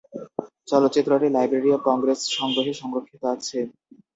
চলচ্চিত্রটি library of Congress সংগ্রহে সংরক্ষিত আছে।